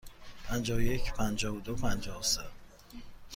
پنجاه و یک، پنجاه و دو، پنجاه و سه.